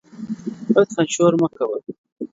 لطفآ شور مه کوه